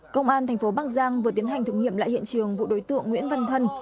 công an tp bắc giang vừa tiến hành thực nghiệm lại hiện trường vụ đối tượng nguyễn văn thân